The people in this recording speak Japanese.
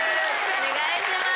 お願いします。